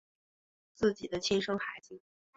自己的亲生孩子